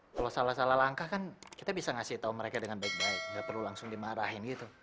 kalau salah salah langkah kan kita bisa ngasih tau mereka dengan baik baik nggak perlu langsung dimarahin gitu